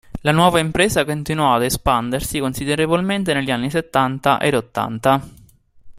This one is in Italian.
La nuova impresa continuò ad espandersi considerevolmente negli anni Settanta e Ottanta.